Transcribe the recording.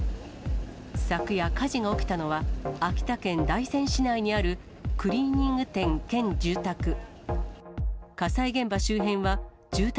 昨夜、火事が起きたのは、秋田県大仙市内にあるクリーニング店兼住宅。